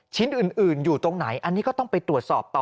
ชิ้นอื่นอยู่ตรงไหนอันนี้ก็ต้องไปตรวจสอบต่อ